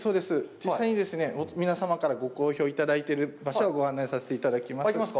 実際にですね、皆様からご好評いただいている場所をご案内いたします。